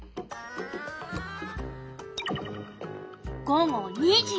午後２時。